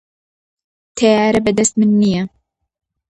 تەیارە بە دەست من نییە.